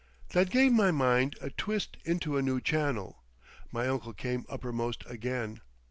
That gave my mind a twist into a new channel. My uncle came uppermost again.